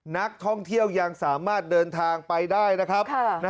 นักท่องเที่ยวยังสามารถเดินทางไปได้นะครับ